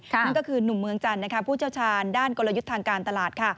นั่นก็คือหนุ่มเมืองจันทร์ผู้เชี่ยวชาญด้านกลยุทธ์ทางการตลาด